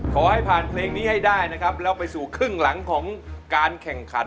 ขอให้ผ่านเพลงนี้ให้ได้นะครับแล้วไปสู่ครึ่งหลังของการแข่งขัน